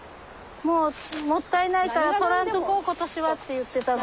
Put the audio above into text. もうもったいないから採らんとこう今年はって言ってたの。